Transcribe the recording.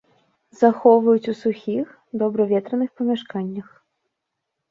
Захоўваюць у сухіх, добра ветраных памяшканнях.